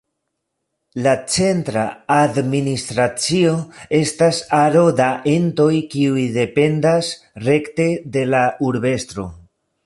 La centra administracio estas aro da entoj kiuj dependas rekte de la Urbestro.